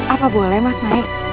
apa boleh mas naik